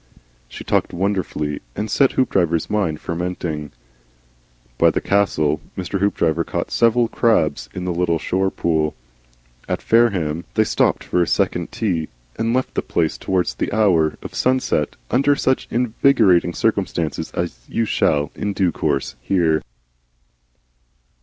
She talked wonderfully, and set Hoopdriver's mind fermenting. By the Castle, Mr. Hoopdriver caught several crabs in little shore pools. At Fareham they stopped for a second tea, and left the place towards the hour of sunset, under such invigorating circumstances as you shall in due course hear.